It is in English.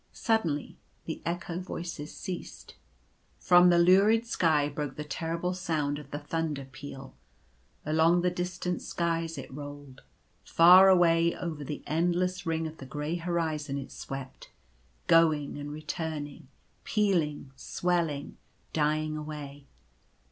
Suddenly the echo voices ceased. From the lurid sky broke the terrible sound of the thunder peal. Along the distant skies it rolled. Far away over the endless ring of the grey horizon it swept — going and returning — pealing — swelling — dying away.